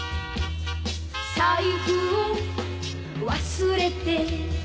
「財布を忘れて」